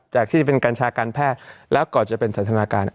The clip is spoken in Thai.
จากที่เป็นกัญชาการแพทย์แล้วก่อนจะเป็นสันทนาการ